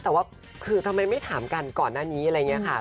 แต่ว่าคือทำไมไม่ถามกันก่อนหน้านี้อะไรอย่างนี้ค่ะ